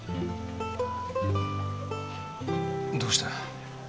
どうした。